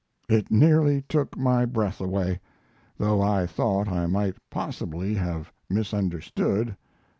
It nearly took my breath away, though I thought I might possibly have misunderstood.